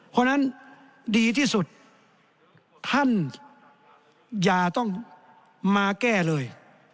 เพราะฉะนั้นดีที่สุดท่านอย่าต้องมาแก้เลย